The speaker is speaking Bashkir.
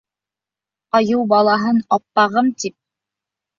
Айыу балаһын «аппағым» тип